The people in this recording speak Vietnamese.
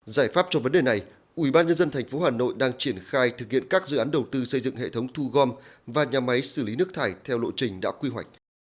giải pháp cho vấn đề này ubnd tp hà nội đang triển khai thực hiện các dự án đầu tư xây dựng hệ thống thu gom và nhà máy xử lý nước thải theo lộ trình đã quy hoạch